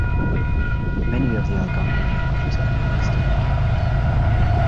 Many of the Algonquian languages are now extinct.